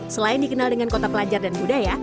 selain dikenal dengan kota pelajar dan budaya